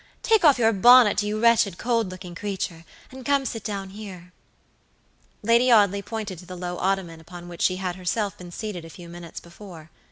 Take off your bonnet, you wretched, cold looking creature, and come sit down here." Lady Audley pointed to the low ottoman upon which she had herself been seated a few minutes before.